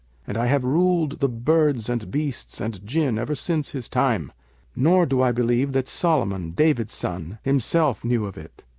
[FN#564] and I have ruled the birds and beasts and Jinn ever since his time; nor do I believe that Solomon David son himself knew of it.